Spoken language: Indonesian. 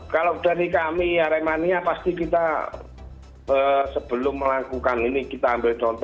kalau dari kami aremania pasti kita sebelum melakukan ini kita ambil contoh